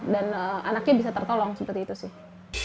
anaknya bisa tertolong seperti itu sih